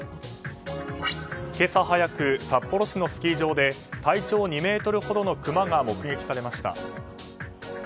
今朝早く札幌市のスキー場で体長２ｍほどのクマが目撃されました。